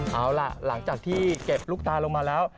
เอาล่ะหลังจากที่เก็บลูกตาลงมาแล้ว